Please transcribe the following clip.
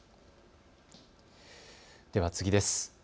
では次です。